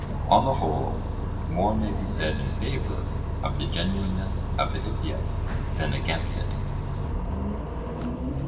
On the whole, more may be said in favour of the genuineness of the Hippias than against it.